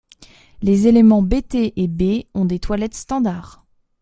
Les éléments Bt et B ont des toilettes standard.